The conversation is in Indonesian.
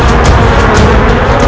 dia pikir itu harus click